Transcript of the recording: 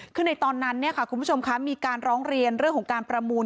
คือในตอนนั้นคุณผู้ชมคะมีการร้องเรียนเรื่องของการประมูล